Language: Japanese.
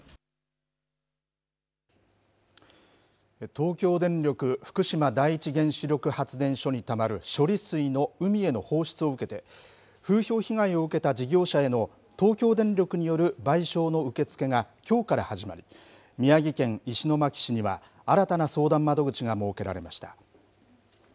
東京電力福島第一原子力発電所にたまる処理水の海への放出を受けて、風評被害を受けた事業者への東京電力による賠償の受け付けがきょうから始まり、宮城県石巻市には、新たな相談窓口が設けられました。